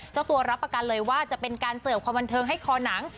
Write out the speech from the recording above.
เจ้าตัวรับประกันเลยว่าจะเป็นการเสิร์ฟความบันเทิงให้คอหนัง